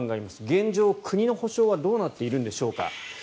現状、国の補償はどうなっているんでしょうか。